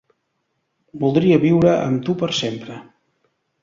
Voldria viure amb tu per sempre.